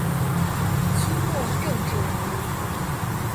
清末政治人物。